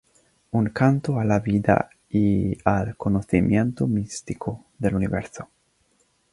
Un canto a la vida y al conocimiento místico del universo.